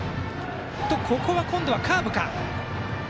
ここは今度はカーブか。